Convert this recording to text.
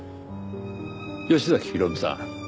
吉崎弘美さん。